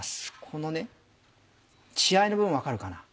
このね血合いの部分分かるかな？